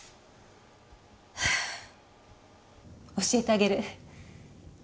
「」教えてあげる。